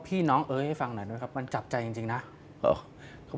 พี่น้องเอ๋ยให้ฟังหน่อยนะครับมันจับใจจริงจริงนะ